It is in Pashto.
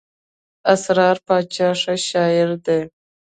اسرار باچا ښه شاعر دئ.